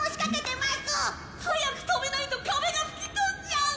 早く止めないと壁が吹き飛んじゃう！